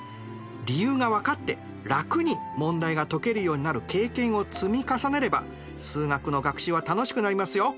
理由が分かって楽に問題が解けるようになる経験を積み重ねれば数学の学習は楽しくなりますよ。